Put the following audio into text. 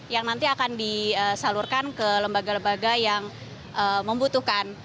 yang nanti akan disalurkan ke lembaga lembaga yang membutuhkan